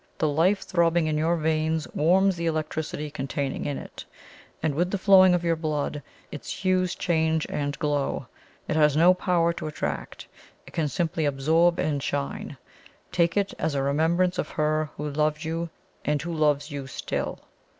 The life throbbing in your veins warms the electricity contained in it; and with the flowing of your blood, its hues change and glow. It has no power to attract; it can simply absorb and shine. Take it as a remembrance of her who loved you and who loves you still."